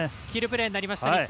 キルプレーになりました。